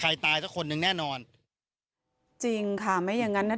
ใครตายเจ้าคนนึงแน่นอนจริงค่ะไม่อย่างงั้นนะ